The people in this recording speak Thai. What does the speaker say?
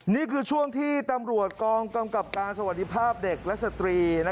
นี่คือช่วงที่ตำรวจกองกำกับการสวัสดีภาพเด็กและสตรี